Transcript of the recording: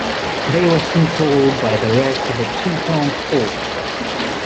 They were soon followed by the rest of the Teutones' force.